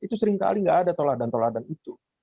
itu seringkali nggak ada toladan toladan itu